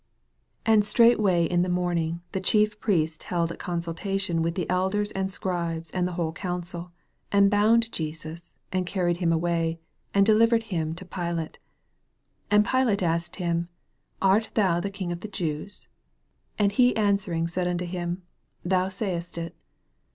1 And straightway, in the morning the Chief Priests held a consultation with the elders and Scribes and the whole council, and bound Jesus, and carried him away, and delivered Mm to Pilate. . 2 And Pilate asked him, Art thou the king of the Jews ? And he answer ing said unto him, Thou sayest it.